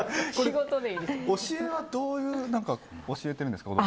教えはどういう教えですか。